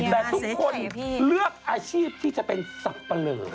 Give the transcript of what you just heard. แต่ทุกคนเลือกอาชีพที่จะเป็นสับปะเหลอ